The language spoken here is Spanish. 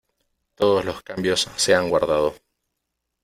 Todos los cambios se han guardado